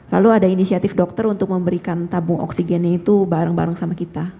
lalu ada inisiatif dokter untuk memberikan tabung oksigennya itu bareng bareng sama kita